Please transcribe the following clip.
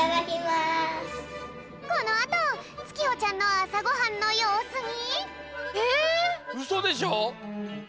このあとつきほちゃんのあさごはんのようすに。